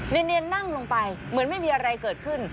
เนียนนั่งลงไปเหมือนไม่มีอะไรเกิดขึ้น